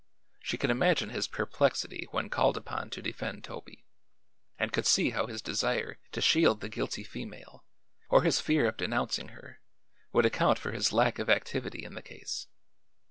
She could imagine his perplexity when called upon to defend Toby, and could see how his desire to shield the guilty female or his fear of denouncing her would account for his lack of activity in the case.